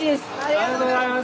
ありがとうございます。